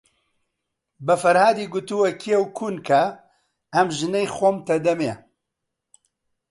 بە فەرهادی گوتووە کێو کون کە، ئەم ژنەی خۆمتە ئەدەمێ؟